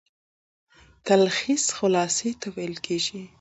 تلخیص خلاصې ته ويل کیږي.